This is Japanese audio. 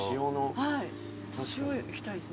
塩いきたいですね。